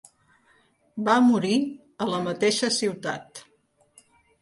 Va morir a la mateixa ciutat.